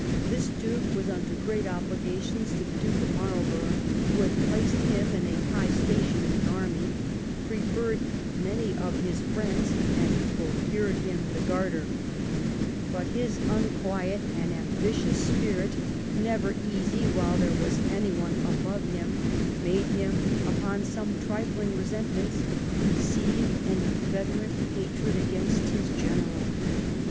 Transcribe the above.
This Duke was under great obligations to the Duke of Marlborough, who had placed him in a high station in the army, preferred many of his friends, and procured him the Garter. But, his unquiet and ambitious spirit, never easy while there was anyone above him, made him, upon some trifling resentments, conceive an inveterate hatred against his general.